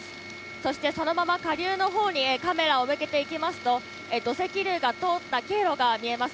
そして、そのまま下流のほうにカメラを向けていきますと、土石流が通った経路が見えます。